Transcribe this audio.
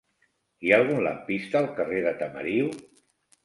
Hi ha algun lampista al carrer de Tamariu?